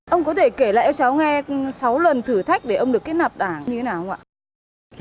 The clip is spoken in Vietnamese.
ông có thể kể lại cháu nghe sáu lần thử thách để ông được kết nạp đảng như thế nào không ạ